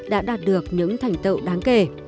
đã đạt được những thành tựu đáng kể